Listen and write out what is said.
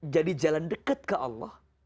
jadi jalan dekat ke allah